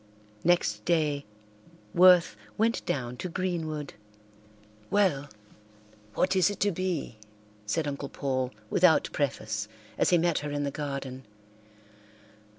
Next day Worth went down to Greenwood. "Well, what is it to be?" said Uncle Paul without preface, as he met her in the garden.